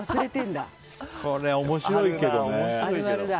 これ、面白いけどね。